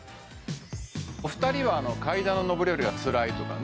お二人はあの階段の上り下りがつらいとかね